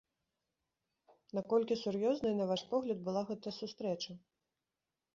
Наколькі сур'ёзнай, на ваш погляд, была гэта сустрэча?